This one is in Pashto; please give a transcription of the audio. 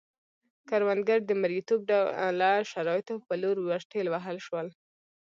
کروندګر د مریتوب ډوله شرایطو په لور ورټېل وهل شول